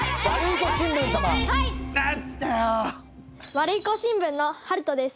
ワルイコ新聞のはるとです。